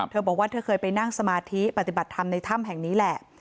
เธอบอกว่าเธอเคยไปนั่งสมาธิปฏิบัติธรรมในถ้ำแห่งนี้แหละ